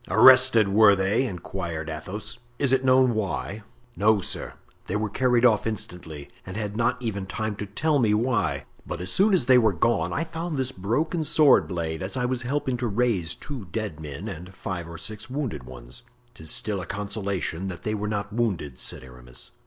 "Arrested, were they?" inquired Athos; "is it known why?" "No, sir, they were carried off instantly, and had not even time to tell me why; but as soon as they were gone I found this broken sword blade, as I was helping to raise two dead men and five or six wounded ones." "'Tis still a consolation that they were not wounded," said Aramis.